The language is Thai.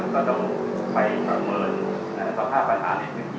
ก็ต้องไปประเมินสภาพปัญหาในพื้นที่